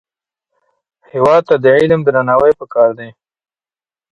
هېواد ته د علم درناوی پکار دی